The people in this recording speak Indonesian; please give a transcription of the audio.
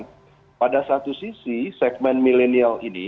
dan pada satu sisi segmen milenial ini